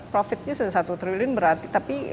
profitnya sudah satu triliun berarti tapi